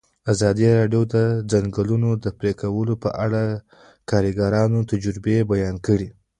ازادي راډیو د د ځنګلونو پرېکول په اړه د کارګرانو تجربې بیان کړي.